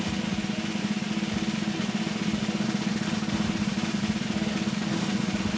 เสริมหักทิ้งลงไปครับรอบเย็นมากครับ